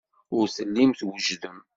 Ur tellim twejdem.